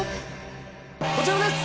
こちらです。